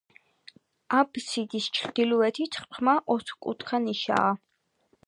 აბსიდის ჩრდილოეთით ღრმა, ოთხკუთხა ნიშაა.